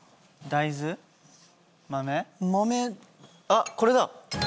あっこれだ！